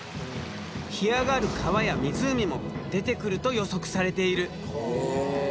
干上がる川や湖も出てくると予測されている。